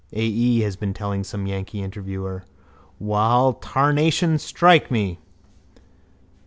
A. E. has been telling some yankee interviewer. Wall, tarnation strike me!